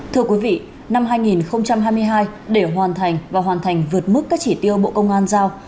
thưa quý vị năm hai nghìn hai mươi hai để hoàn thành và hoàn thành vượt mức các chỉ tiêu bộ công an giao